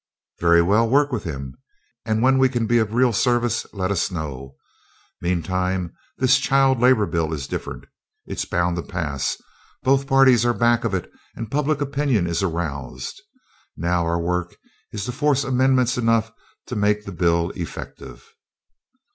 "Very well; work with him; and when we can be of real service let us know. Meantime, this Child Labor bill is different. It's bound to pass. Both parties are back of it, and public opinion is aroused. Now our work is to force amendments enough to make the bill effective."